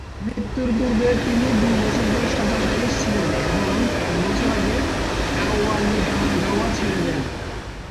মৃত্যুর পূর্বে তিনি দুই বছর ধরে শয্যাশায়ী ছিলেন এবং এক বছর আগে কাওয়ালি গাওয়া ছেড়ে দেন।